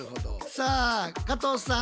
さあ加藤さん。